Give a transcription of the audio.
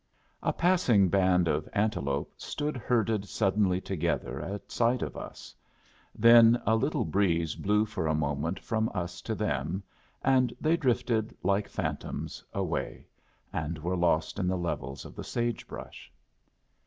A passing band of antelope stood herded suddenly together at sight of us; then a little breeze blew for a moment from us to them, and they drifted like phantoms away, and were lost in the levels of the sage brush.